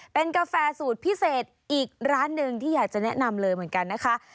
เป็นกาแฟสูตรพิเศษอีกร้านหนึ่งที่อยากจะแนะนำเลยเหมือนกันนะคะ